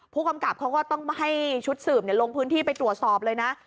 ผู้กำกับเขาก็ต้องให้ชุดสืบลงพื้นที่ไปตรวจสอบเลยนะ